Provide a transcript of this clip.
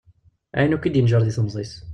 Ayen akk i d-yenǧer deg temẓi-s.